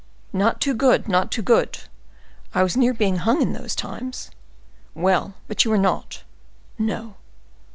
"Not too good, not too good! I was near being hung in those times." "Well, but you were not." "No."